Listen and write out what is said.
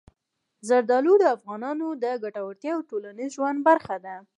زردالو د افغانانو د ګټورتیا او ټولنیز ژوند برخه ده.